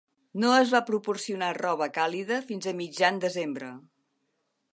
No es va proporcionar roba càlida fins a mitjan desembre.